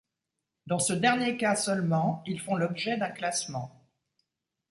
Dans ce dernier cas seulement, ils font l’objet d’un classement.